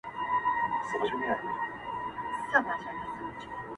زړه لېونی شوی دی، تا رانه واپس غواړي